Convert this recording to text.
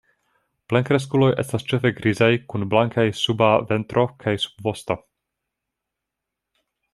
Plenkreskuloj estas ĉefe grizaj kun blankaj suba ventro kaj subvosto.